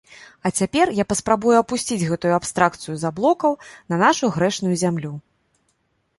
А цяпер я паспрабую апусціць гэтую абстракцыю з аблокаў на нашу грэшную зямлю.